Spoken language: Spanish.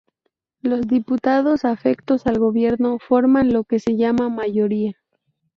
Los diputados afectos al Gobierno forman lo que se llama mayoría.